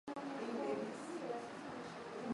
Wa mama weko piya na haki ya ku tumIka